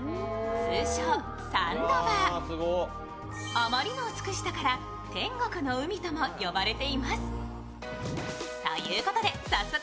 あまりの美しさから天国の海とも呼ばれています。